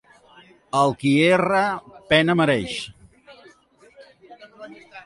El qui erra, pena mereix.